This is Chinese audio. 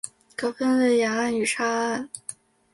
可分为岩岸与沙岸。